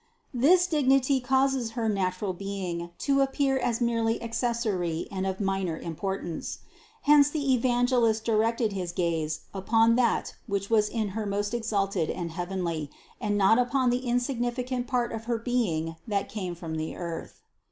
This dignity causes her natural being to appear as mere ly accessory and of minor importance. Hence the Evan gelist directed his gaze upon that which was in Her most exalted and heavenly, and not upon the insignificant part of her being that came from the earth.